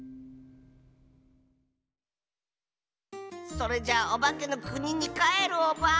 それじゃおばけのくににかえるオバ。